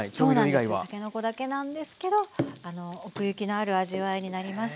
たけのこだけなんですけど奥行きのある味わいになります。